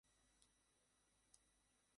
কিচ্ছু ভেবো না!